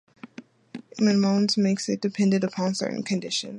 Maimonides makes it dependent upon certain conditions.